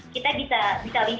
kita bisa lihat di websitenya